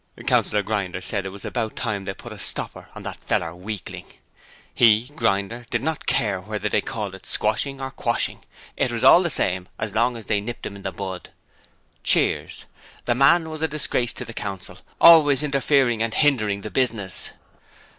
Councillor Grinder said it was about time they put a stopper on that feller Weakling. He (Grinder) did not care whether they called it squashing or quashing; it was all the same so long as they nipped him in the bud. (Cheers.) The man was a disgrace to the Council; always interfering and hindering the business.